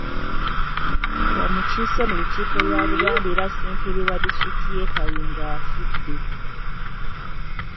Omukiise mu lukiiko lwa Buganda era ssentebe wa disitulikiti ye Kayunga afudde.